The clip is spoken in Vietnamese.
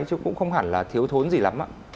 chứ cũng không hẳn là thiếu thốn gì lắm